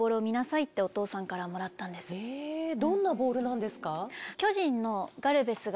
どんなボールなんですか？